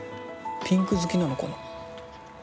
ピンク好きなのかな？